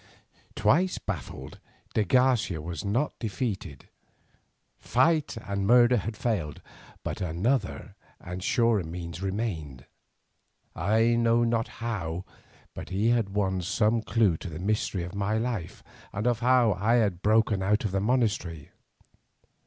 Twice baffled, de Garcia was not defeated. Fight and murder had failed, but another and surer means remained. I know not how, but he had won some clue to the history of my life, and of how I had broken out from the monastery.